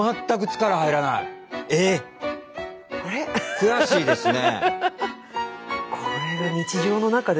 悔しいですね。